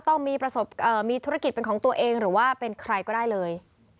ต้องมีประสบมีธุรกิจเป็นของตัวเองหรือว่าเป็นใครก็ได้เลย